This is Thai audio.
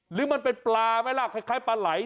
หรือมันเป็นปลาไหมล่ะคล้ายปลาไหล